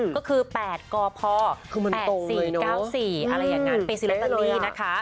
ก็คือ๘กพ๘๔๙๔อะไรอย่างนั้นไปซื้อลอตเตอรี่นะคะ